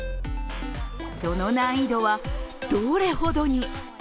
その難易度はどれほどに。